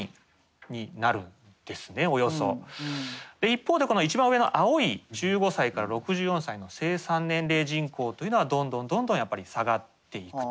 一方でこの一番上の青い１５歳から６４歳の生産年齢人口というのはどんどんどんどんやっぱり下がっていくと。